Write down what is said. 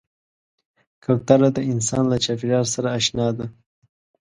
کوتره د انسان له چاپېریال سره اشنا ده.